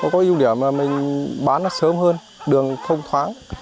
có ưu điểm là mình bán nó sớm hơn đường thông thoáng